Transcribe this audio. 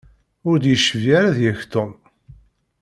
Ur d-yecbi ara deg-k Tom.